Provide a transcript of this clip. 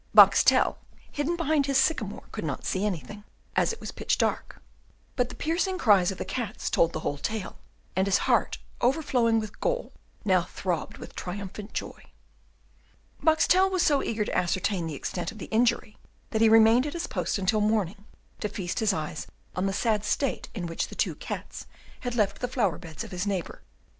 Boxtel, hidden behind his sycamore, could not see anything, as it was pitch dark; but the piercing cries of the cats told the whole tale, and his heart overflowing with gall now throbbed with triumphant joy. Boxtel was so eager to ascertain the extent of the injury, that he remained at his post until morning to feast his eyes on the sad state in which the two cats had left the flower beds of his neighbour.